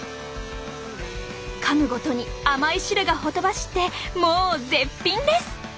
かむごとに甘い汁がほとばしってもう絶品です。